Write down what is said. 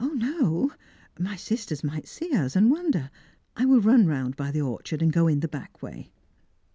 " O, no ; my sisters might see us, and wonder. I will run round by the orchard, and go in the back way."